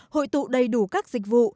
hội tụ đầy đủ các dịch vụ